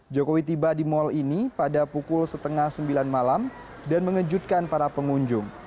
jokowi tiba di mal ini pada pukul setengah sembilan malam dan mengejutkan para pengunjung